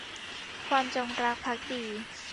ความจงรักภักดี